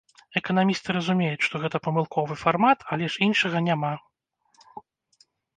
Эканамісты разумеюць, што гэта памылковы фармат, але ж іншага няма.